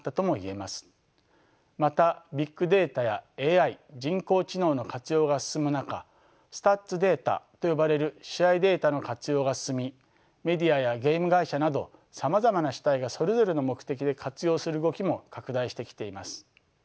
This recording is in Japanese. またビッグデータやＡＩ人工知能の活用が進む中スタッツデータと呼ばれる試合データの活用が進みメディアやゲーム会社などさまざまな主体がそれぞれの目的で活用する動きも拡大してきています。